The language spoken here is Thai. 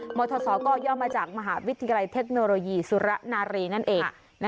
ทศก็ย่อมาจากมหาวิทยาลัยเทคโนโลยีสุรนารีนั่นเอง